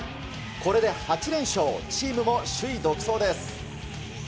これで８連勝、チームも首位独走です。